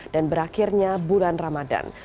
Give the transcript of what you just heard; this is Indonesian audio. dan berakhirnya bulan ramadan